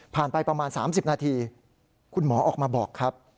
ไปประมาณ๓๐นาทีคุณหมอออกมาบอกครับ